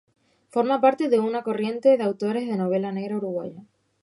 Forma parte de una nueva corriente de autores de novela negra uruguaya.